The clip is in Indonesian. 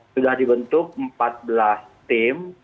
sudah dibentuk empat belas tim